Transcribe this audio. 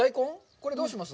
これ、どうします？